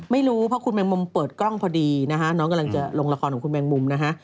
ไม่รู้เพราะคุณแมงมุมเปิดกล้องพอดีนะคะน้องกำลังจะลงละครของคุณแมงมุมนะฮะ